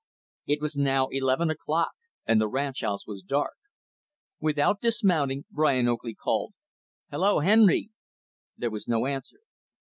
It was now eleven o'clock and the ranch house was dark. Without dismounting, Brian Oakley called, "Hello, Henry!" There was no answer.